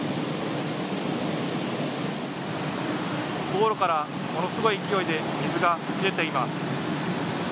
道路からものすごい勢いで水が出ています。